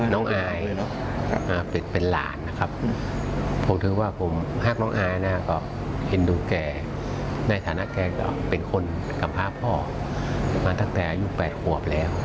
น้องอายเป็นหลานนะครับผมถือว่าผมรักน้องอายนะก็เห็นดูแกในฐานะแกก็เป็นคนกำพาพ่อมาตั้งแต่อายุ๘ขวบแล้ว